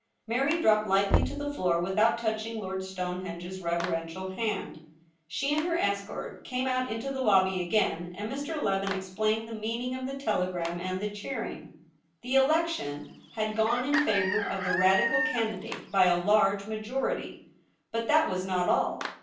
Mary dropped lightly to the floor without touching Lord Stonehenge's reverential hand. She and her escort came out into the lobby again, and ]\Ir. Leven explained the mean ing of the telegram and the cheering. The election had gone in favour of the Radical candidate by a large majority. But that was not all.